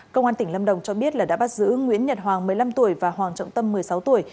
công an tỉnh lâm đồng cho biết là đã bắt giữ nguyễn nhật hoàng một mươi năm tuổi và hoàng trọng tâm một mươi sáu tuổi